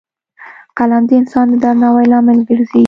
قلم د انسان د درناوي لامل ګرځي